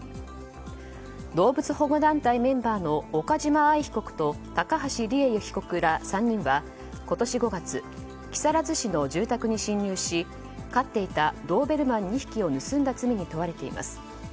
動物保護団体メンバーの岡島愛被告と高橋里衣被告ら３人は今年５月木更津市の住宅に侵入し飼っていたドーベルマン２匹を盗んだ罪に問われています。